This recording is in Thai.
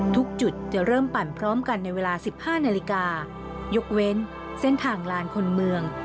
ทุกจุดจะเริ่มปั่นพร้อมกันในเวลา๑๕นาฬิกายกเว้นเส้นทางลานคนเมือง